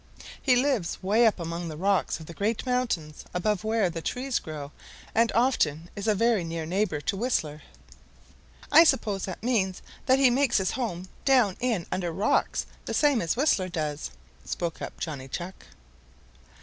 He lives way up among the rocks of the great mountains above where the trees grow and often is a very near neighbor to Whistler." "I suppose that means that he makes his home down in under rocks, the same as Whistler does," spoke up Johnny Chuck.